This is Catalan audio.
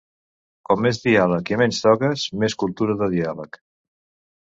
Cal més diàleg i menys togues, més cultura del diàleg.